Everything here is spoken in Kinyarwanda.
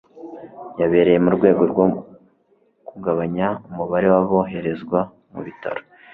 yabereye mu rwego rwo kugabanya umubare w aboherezwa mu bitaro